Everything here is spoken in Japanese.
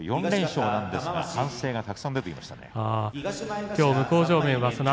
４連勝なんですが反省がたくさん出てきました。